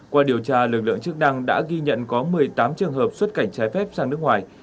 qua điều tra lực lượng chức năng đã ghi nhận có một mươi tám trường hợp xuất cảnh trái phép sang nước ngoài